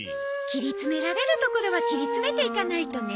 切り詰められるところは切り詰めていかないとね。